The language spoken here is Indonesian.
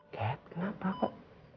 cat kenapa kok